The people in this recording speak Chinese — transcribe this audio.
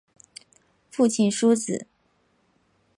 父亲苏玭。